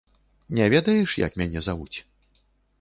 Не ведаеш, як мяне завуць?